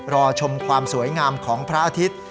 รอชมความสวยงามของพระอาทิตย์